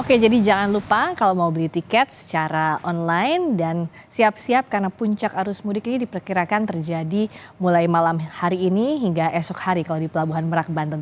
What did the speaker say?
oke jadi jangan lupa kalau mau beli tiket secara online dan siap siap karena puncak arus mudik ini diperkirakan terjadi mulai malam hari ini hingga esok hari kalau di pelabuhan merak banten